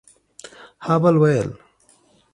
ها بل ويل